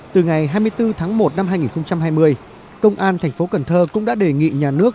từ ngày hai mươi bốn tháng một năm hai nghìn hai mươi công an thành phố cần thơ cũng đã đề nghị nhà nước